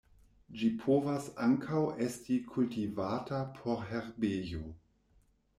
Ĝi povas ankaŭ esti kultivata por herbejo.